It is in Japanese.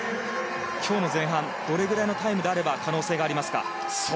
今日の前半はどれくらいのタイムであれば可能性がありますか？